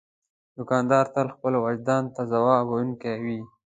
دوکاندار تل خپل وجدان ته ځواب ویونکی وي.